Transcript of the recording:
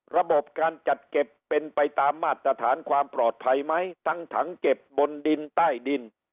ระบบการจัดเก็บเป็นไปตามมาตรฐานความปลอดภัยไหมทั้งถังเก็บบนดินใต้ดิน